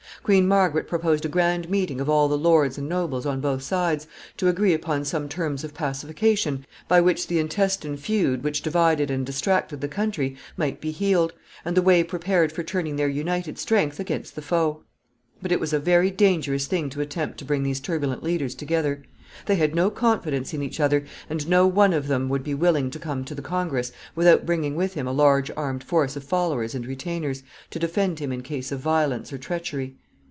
Queen Margaret proposed a grand meeting of all the lords and nobles on both sides, to agree upon some terms of pacification by which the intestine feud which divided and distracted the country might be healed, and the way prepared for turning their united strength against the foe. But it was a very dangerous thing to attempt to bring these turbulent leaders together. They had no confidence in each other, and no one of them would be willing to come to the congress without bringing with him a large armed force of followers and retainers, to defend him in case of violence or treachery.